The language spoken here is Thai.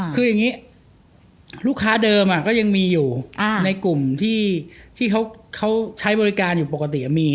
คืออย่างนี้ลูกค้าเดิมก็ยังมีอยู่ในกลุ่มที่เขาใช้บริการอยู่ปกติมี